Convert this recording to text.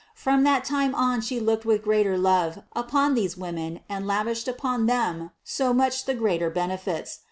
From that time on she looked with greater love upon these women and lavished upon them so much the greater benefits.